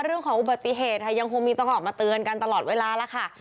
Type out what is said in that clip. เรื่องของอุบัติเหตุค่ะยังคงมีต้องออกมาเตือนกันตลอดเวลาแล้วค่ะ